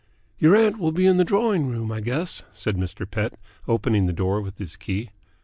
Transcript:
"Your aunt will be in the drawing room, I guess," said Mr. Pett, opening the door with his key.